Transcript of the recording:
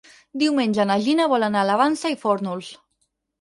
Diumenge na Gina vol anar a la Vansa i Fórnols.